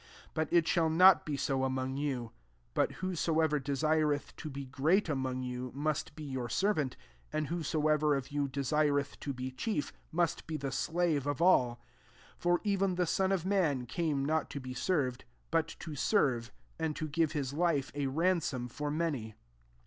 43 But it shall not be so among you : but whoso ever desireth to be great among you, must be your servant : 44 and whosoever of you, desireth to be chief, must be the slave of all. 45 For even the Son of man came not to be served, but to serve ; and to give his life a ransom for many.